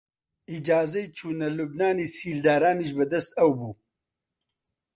ئیجازەی چوونە لوبنانی سیلدارانیش بە دەست ئەو بوو